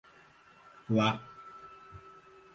Lá